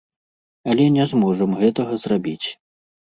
Але не зможам гэтага зрабіць.